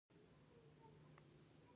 منډه يې واخيسته، له مړو جسدونو يې ټوپ کړل.